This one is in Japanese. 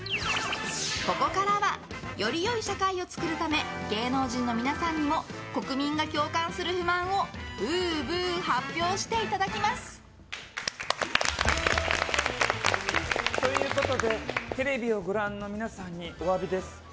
ここからはより良い社会を作るため芸能人の皆さんにも国民が共感する不満をぶうぶう発表していただきます。ということでテレビをご覧の皆さんにお詫びです。